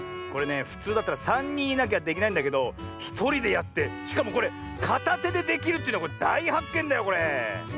これねふつうだったらさんにんいなきゃできないんだけどひとりでやってしかもこれかたてでできるっていうのだいはっけんだよこれ。